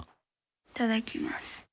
いただきます。